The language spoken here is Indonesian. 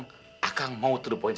rizky saya takut dengan rizky